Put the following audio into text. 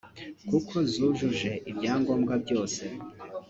kuko zujuje ibyangombwa byose